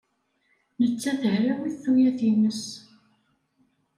Nettat hrawit tuyat-nnes.